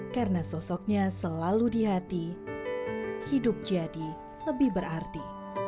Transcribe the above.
karena sosoknya selalu di hati hidup jadi lebih berarti